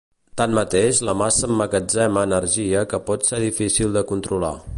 Tanmateix, la massa emmagatzema energia que pot ser difícil de controlar.